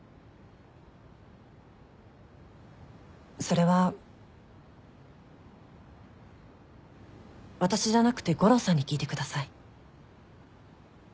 それは私じゃなくて悟郎さんに聞いてください。